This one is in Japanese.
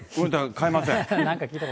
変えません。